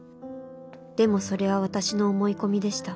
でもそれは私の思い込みでした。